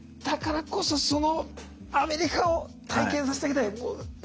だからこそそのアメリカを体験させてあげたい。